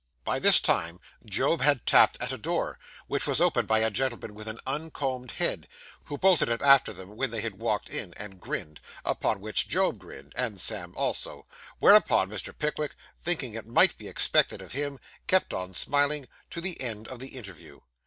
By this time, Job had tapped at a door, which was opened by a gentleman with an uncombed head, who bolted it after them when they had walked in, and grinned; upon which Job grinned, and Sam also; whereupon Mr. Pickwick, thinking it might be expected of him, kept on smiling to the end of the interview.